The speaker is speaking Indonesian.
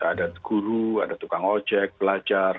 ada guru ada tukang ojek belajar